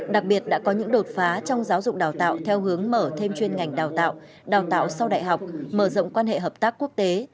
đặc biệt đã có những đột phá trong giáo dục đào tạo theo hướng mở thêm chuyên ngành đào tạo đào tạo sau đại học mở rộng quan hệ hợp tác quốc tế